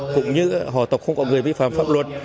cũng như họ tộc không có người vi phạm pháp luật